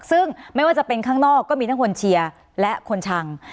ซึ่งไม่ว่าจะเป็นข้างนอกก็มีทั้งคนเชียร์และคนชัง